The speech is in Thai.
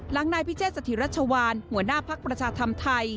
หลังนายพิเศษศรษฐิรัชวาลหัวหน้าพักประชาธรรมไทย